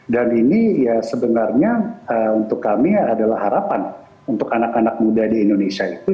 dan ini ya sebenarnya untuk kami adalah harapan untuk anak anak muda di indonesia itu